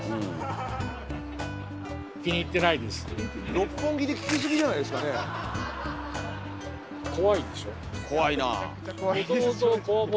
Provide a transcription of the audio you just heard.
六本木で聞きすぎじゃないですかねえ。